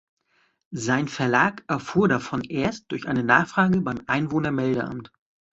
Sein Verlag erfuhr davon erst durch eine Nachfrage beim Einwohnermeldeamt.